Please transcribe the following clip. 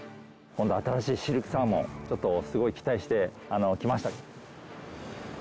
今度新しいシルクサーモンちょっとすごい期待して来ました。